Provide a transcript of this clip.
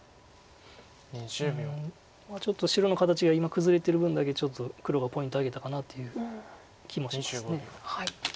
うんちょっと白の形が今崩れてる分だけちょっと黒がポイント挙げたかなという気もします。